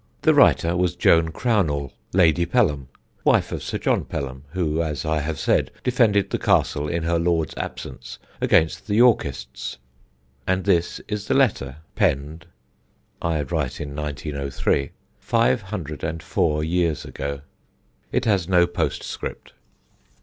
The writer was Joan Crownall, Lady Pelham, wife of Sir John Pelham, who, as I have said, defended the castle, in her Lord's absence, against the Yorkists, and this is the letter, penned (I write in 1903) five hundred and four years ago. (It has no postscript.)